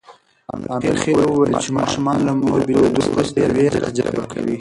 امرخېل وویل چې ماشومان له مور بېلېدو وروسته وېره تجربه کوي.